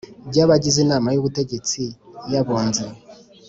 by abagize Inama y Ubutegetsi y,abunzi.